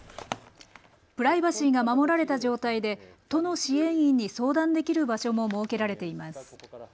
プライバシーが守られた状態で都の支援員に相談できる場所も設けられています。